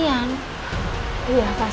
iya kasian ya tante andis